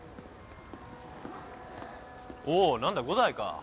おう何だ伍代か。